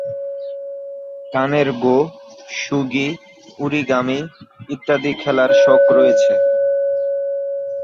কানের go, shogi, origami ইত্যাদি খেলার শখ রয়েছে।